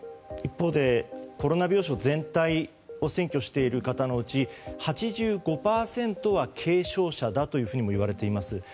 一方でコロナ病床全体を占拠している方のうち８５％は軽症者だというふうにもいわれています。